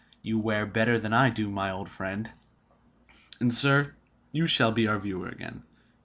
You wear better than I do, my old friend!" "And, sir, you shall be our viewer again.